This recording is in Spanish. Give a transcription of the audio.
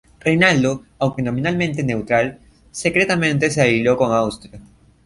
Reinaldo, aunque nominalmente neutral, secretamente se alió con Austria.